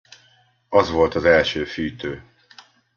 Az volt az első fűtő!